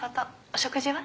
お食事は？